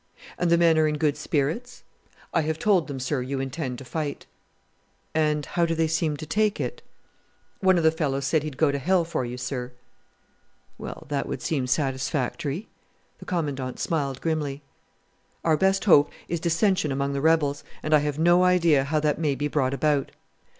"And the men are in good spirits?" "I have told them, sir, you intend to fight." "And how do they seem to take it?" "One of the fellows said he'd go to hell for you, sir." "Well, that would seem satisfactory." The Commandant smiled grimly. "Our best hope is dissension among the rebels, and I have no idea how that may be brought about.